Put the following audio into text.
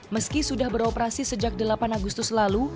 meski sudah beroperasi sejak delapan agustus lalu